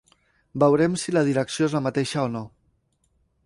Veurem si la direcció és la mateixa o no.